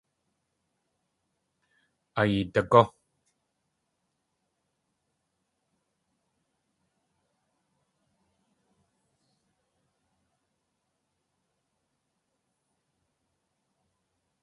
Ayeedagú!